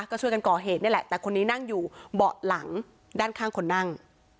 ก็ช่วยกันก่อเหตุนี่แหละแต่คนนี้นั่งอยู่เบาะหลังด้านข้างคนนั่ง